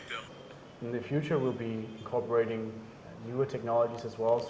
kita akan menggabungkan teknologi baru juga